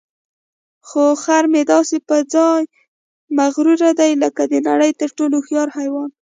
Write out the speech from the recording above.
خر مې داسې په ځان مغروره دی لکه د نړۍ تر ټولو هوښیار حیوان.